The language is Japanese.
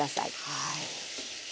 はい。